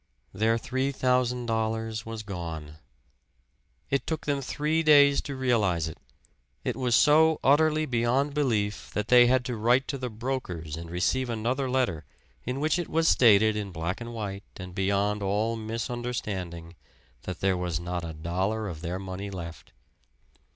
Their three thousand dollars was gone. It took them three days to realize it it was so utterly beyond belief, that they had to write to the brokers and receive another letter in which it was stated in black and white and beyond all misunderstanding that there was not a dollar of their money left.